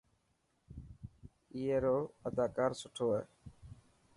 اي رو اداڪار سٺي هي.